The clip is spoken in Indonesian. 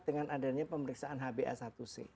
dengan adanya pemeriksaan hba satu c